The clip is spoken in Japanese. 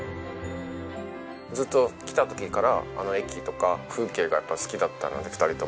ずっと来た時からあの駅とか風景がやっぱり好きだったので２人とも。